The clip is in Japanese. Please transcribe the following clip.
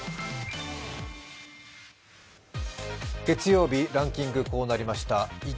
月曜日、ランキングはこうなりました。